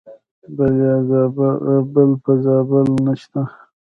بل په زابل نشته .